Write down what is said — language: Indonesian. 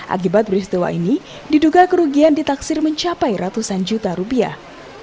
akibat peristiwa ini diduga kerugian ditaksir mencapai ratusan juta rupiah